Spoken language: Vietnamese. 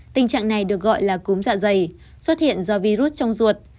tình trạng này được gọi là cúm dạ dày xuất hiện do virus trong ruột